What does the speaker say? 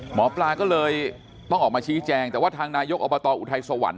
หมอปลาก็เลยต้องออกมาชี้แจงแต่ว่าทางนายกอบตอุทัยสวรรค